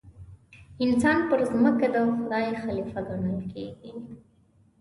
انسان پر ځمکه د خدای خلیفه ګڼل کېږي.